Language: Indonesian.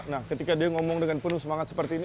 nah ketika dia ngomong dengan penuh semangat seperti ini